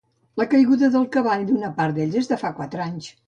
La caiguda del cavall d’una part d’ells és de fa quatre anys.